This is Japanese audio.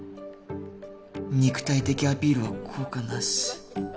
肉体的アピールは効果なし